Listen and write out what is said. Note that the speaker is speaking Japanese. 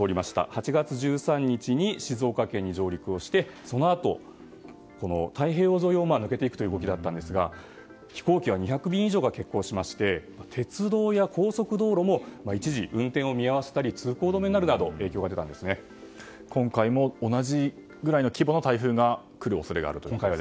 ８月１３日に静岡県に上陸してそのあと、太平洋沿いを抜けていく動きだったんですが飛行機は２００便以上が欠航しまして鉄道や高速道路も一時、運転を見合わせたり通行止めになるなど今回も同じぐらいの規模の台風が来る恐れがあるということですか。